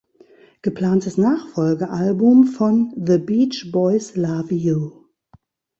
Geplantes Nachfolgealbum von "The Beach Boys Love You".